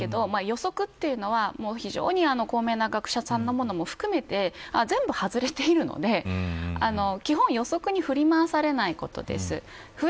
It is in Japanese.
ちらほら出てますけど予測というのは非常に高名な学者さんのものも含めて全部外れているので基本予測に振り回されないことです。